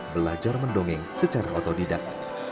belajar mendongeng secara otodidak